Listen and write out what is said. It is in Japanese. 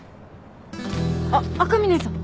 あっ赤嶺さん。